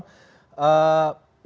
saya mau ke komisioner kpk ri bang gufron